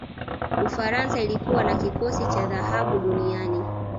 ufaransa ilikuwa na kikosi cha dhahabu duniani